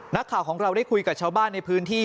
นักข่าวของเราได้คุยกับชาวบ้านในพื้นที่